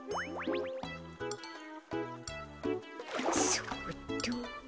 そっと。